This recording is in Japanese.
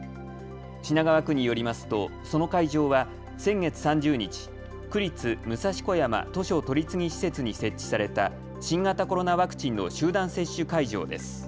品川区によりますとその会場は先月３０日、区立武蔵小山図書取次施設に設置された新型コロナワクチンの集団接種会場です。